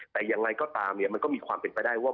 แต่อย่างไรก็ตามเนี่ยมันก็มีความเป็นไปได้ว่า